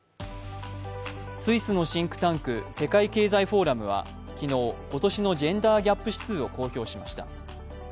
スイスのシンクタンク、世界経済フォーラムは昨日、今年のジェンダーギャップ指数を公表しました。